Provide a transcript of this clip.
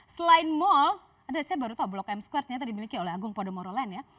selain mall anda saya baru tahu blok m square ternyata dimiliki oleh agung podomoro land ya